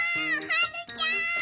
はるちゃん！